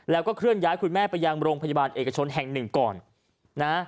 แล้วก็เคลื่อนย้ายคุณแม่ไปยังโรงพยาบาลเอกชนแห่งหนึ่งก่อนนะ